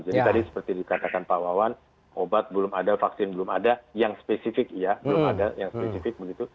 jadi tadi seperti dikatakan pak wawan obat belum ada vaksin belum ada yang spesifik iya belum ada yang spesifik begitu